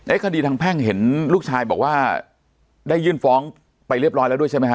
คดีทางแพ่งเห็นลูกชายบอกว่าได้ยื่นฟ้องไปเรียบร้อยแล้วด้วยใช่ไหมฮ